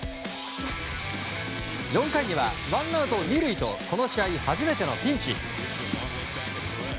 ４回には、ワンアウト２塁とこの試合初めてのピンチ。